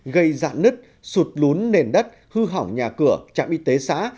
gây dạn nứt sụt lún nền đất hư hỏng nhà cửa trạm y tế xã